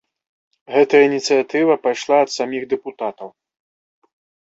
Гэтая ініцыятыва пайшла ад саміх дэпутатаў.